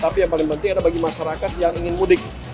tapi yang paling penting adalah bagi masyarakat yang ingin mudik